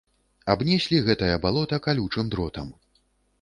Абнеслі гэтае балота калючым дротам.